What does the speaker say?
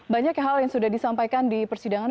banyak hal yang sudah disampaikan di persidangan